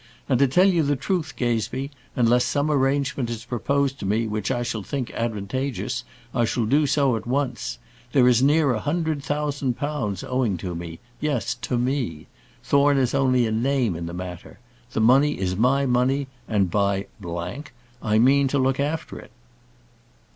And to tell you the truth, Gazebee, unless some arrangement is proposed to me which I shall think advantageous, I shall do so at once. There is near a hundred thousand pounds owing to me; yes to me. Thorne is only a name in the matter. The money is my money; and, by , I mean to look after it."